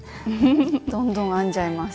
どんどん編んじゃいます。